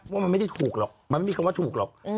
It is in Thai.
ว่ามันไม่ได้ถูกหรอกมันไม่มีคำว่าถูกหรอก